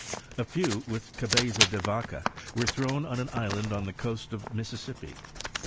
A few with Gabeza de Yaca were thrown on an island on the coast of Mississippi.